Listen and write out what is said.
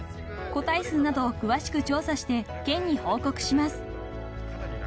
［個体数など詳しく調査して県に報告します］